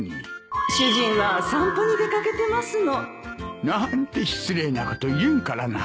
主人は散歩に出掛けてますのなんて失礼なこと言えんからな。